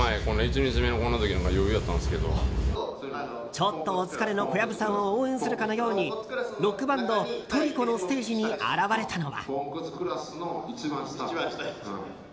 ちょっとお疲れの小籔さんを応援するかのようにロックバンド、ｔｒｉｃｏｔのステージに現れたのは。